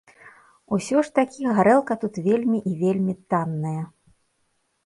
Усё ж такі, гарэлка тут вельмі і вельмі танная.